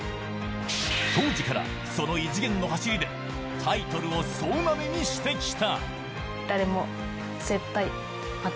当時からその異次元の走りでタイトルを総なめにしてきた。